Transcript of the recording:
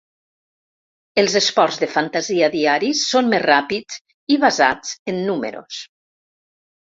Els esports de fantasia diaris són més ràpids i basats en números.